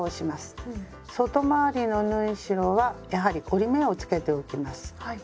外回りの縫い代はやはり折り目をつけておきます。